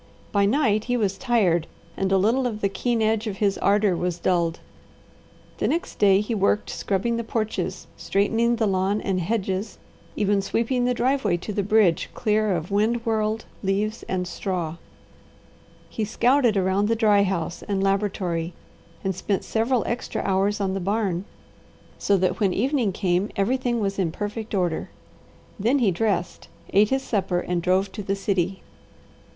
By night he was tired and a little of the keen edge of his ardour was dulled. The next day he worked scrubbing the porches, straightening the lawn and hedges, even sweeping the driveway to the bridge clear of wind whirled leaves and straw. He scouted around the dry house and laboratory, and spent several extra hours on the barn so that when evening came everything was in perfect order. Then he dressed, ate his supper and drove to the city.